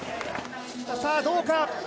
さあ、どうか。